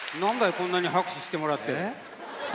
こんなに拍手してもらって。